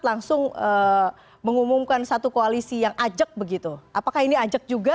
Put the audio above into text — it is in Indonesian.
langsung mengumumkan satu koalisi yang ajak begitu apakah ini ajak juga